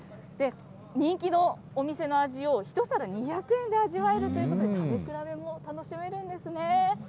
人気のお店の味を１皿２００円で味わえるということで、食べ比べも楽しめるんですね。